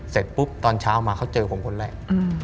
เสร็จปุ๊บตอนเช้ามาเขาเจอผมคนแรก